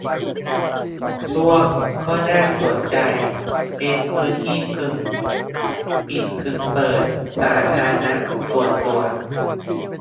ข่วง ก็น่าสนใจ เป็นพื้นที่กึ่งปิดกึ่งเปิด สาธารณะ-ส่วนตัว